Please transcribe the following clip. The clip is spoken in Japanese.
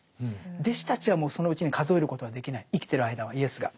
弟子たちはもうそのうちに数えることはできない生きてる間はイエスが。